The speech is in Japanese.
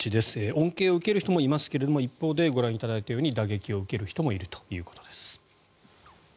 恩恵を受ける人もいますが一方でご覧いただいたように打撃を受ける人もいるということです。